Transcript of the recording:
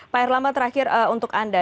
pak herlama terakhir untuk anda